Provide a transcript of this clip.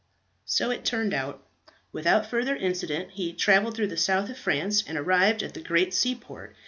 So it turned out. Without further incident, he travelled through the south of France, and arrived at the great seaport.